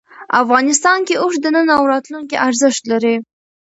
افغانستان کې اوښ د نن او راتلونکي ارزښت لري.